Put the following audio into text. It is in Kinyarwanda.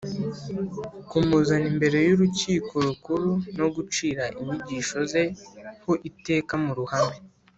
Kumuzana imbere y’Urukiko Rukuru no gucira inyigisho Ze ho iteka mu ruhame